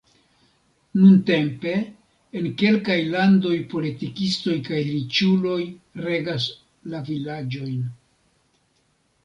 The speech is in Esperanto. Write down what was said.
Nuntempe en kelkaj landoj politikistoj kaj riĉuloj regas la vilaĝojn.